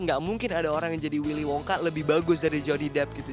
gak mungkin ada orang yang jadi willy wonka lebih bagus dari johnny depp gitu